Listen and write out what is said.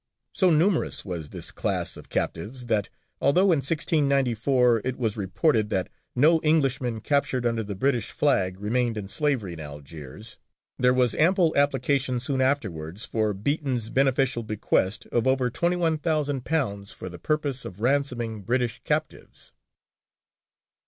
So numerous was this class of captives that, although in 1694 it was reported that no Englishmen captured under the British flag remained in slavery in Algiers, there was ample application soon afterwards for Betton's beneficial bequest of over £21,000 for the purpose of ransoming British captives.